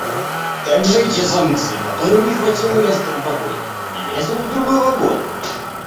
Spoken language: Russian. Также и те самцы, которым не хватило места в вагоне, лезут в другой вагон.